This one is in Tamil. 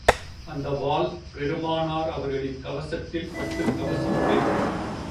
அந்த வாள் பெருமானார் அவர்களின் கவசத்தில் பட்டுக் கவசம் உடைந்தது.